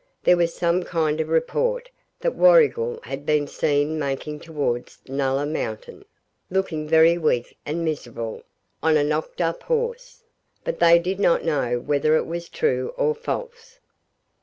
There was some kind of report that Warrigal had been seen making towards Nulla Mountain, looking very weak and miserable, on a knocked up horse; but they did not know whether it was true or false.